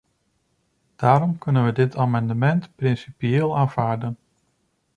Daarom kunnen we dit amendement principieel aanvaarden.